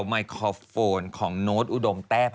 วันที่สุดท้าย